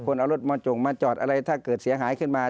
เอารถมาจงมาจอดอะไรถ้าเกิดเสียหายขึ้นมา